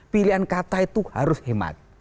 pilihan kata itu harus hemat